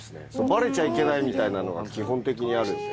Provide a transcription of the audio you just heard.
バレちゃいけないみたいなのが基本的にあるので。